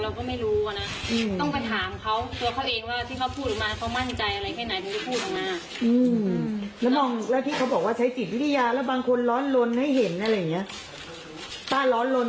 อเรนนี่พูดลงมาภารกิจวัฒนาศาสตร์แอบว่าใช้จิตวิทยาแล้วบางคนร้อนลนให้เห็นแต่ก็รู้ว่าใครร้อนลน